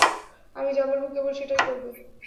আমি যা বলবো কেবল সেটাই করবে।